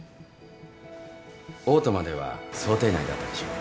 嘔吐までは想定内だったでしょう。